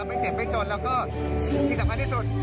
ไม่เจ็บไม่จนแล้วก็ที่สำคัญที่สุด